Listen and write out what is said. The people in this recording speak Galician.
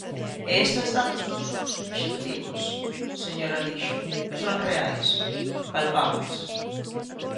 E estes datos non son subxectivos, señor Alixo, son reais, palpables.